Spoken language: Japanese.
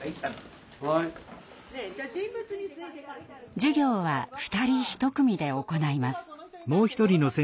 授業は二人一組で行います。